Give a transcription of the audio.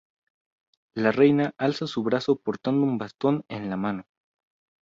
La reina alza su brazo portando un bastón en la mano.